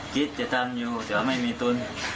คิดจะทำอยู่แต่ว่าไม่มีทุน